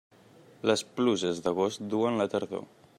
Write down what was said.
Les pluges d'agost duen la tardor.